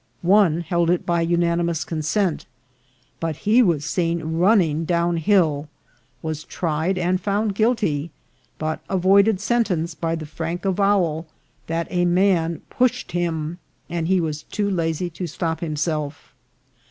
One held it by unanimous consent ; but he was seen run ning down hill, was tried and found guilty, but avoid ed sentence by the frank avowal that a man pushed him, and he was too lazy to stop himself.